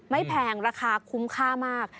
แพงราคาคุ้มค่ามาก